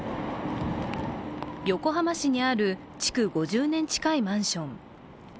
横浜市にある築５０年近いマンション。